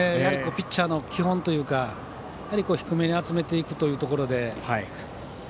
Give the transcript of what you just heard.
ピッチャーの基本というか低めに集めていくというところで。